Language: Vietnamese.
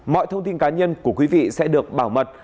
mọi thông tin cá nhân của quý vị sẽ được bảo mật